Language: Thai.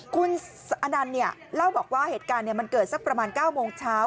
คุณอนันต์เล่าบอกว่าเหตุการณ์มันเกิดสักประมาณ๙โมงเช้า